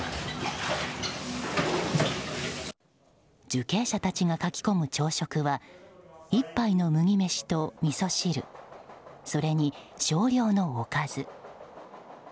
受刑者たちがかき込む朝食は１杯の麦飯と、みそ汁それに少量のおかず。